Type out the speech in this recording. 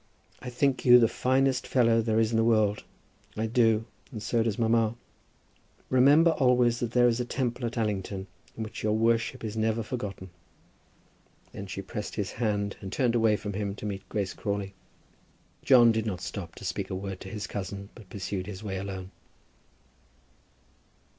I think you the finest fellow there is in the world. I do, and so does mamma. Remember always that there is a temple at Allington in which your worship is never forgotten." Then she pressed his hand and turned away from him to meet Grace Crawley. John did not stop to speak a word to his cousin, but pursued his way alone.